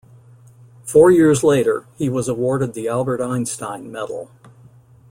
Four years later, he was awarded the Albert Einstein Medal.